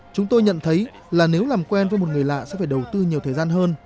chúng tôi nhận thấy là nếu làm quen với một người lạ sẽ phải đầu tư nhiều thời gian hơn